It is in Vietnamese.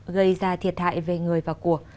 gây ra thiệt hại về người và cuộc